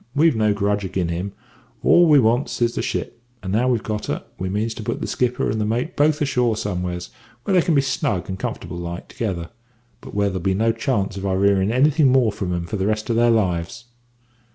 We've no grudge agin him; all we wants is the ship; and now we've got her, we means to put the skipper and the mate both ashore somewheres where they can be snug and comfortable like together, but where there'll be no chance of our hearin' anything more from 'em for the rest of their lives.'